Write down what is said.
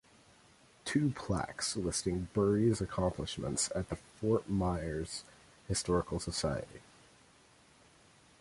Two plaques listing Buerry's accomplishments at the Fort Myers Historical Society.